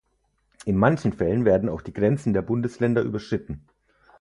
In manchen Fällen werden auch die Grenzen der Bundesländer überschritten.